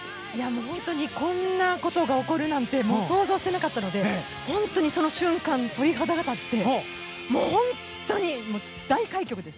本当にこんなことが起こるなんて想像してなかったのでその瞬間、鳥肌が立ってもう本当に大快挙です。